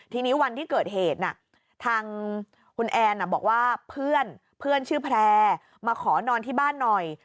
ทีนี้วันที่เกิดเหตุทางคุณแอนบอกว่าเพื่อนเพื่อนชื่อแพร่มาขอนอนที่บ้านหน่อย